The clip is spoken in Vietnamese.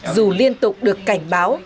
dù liên tục được cảnh báo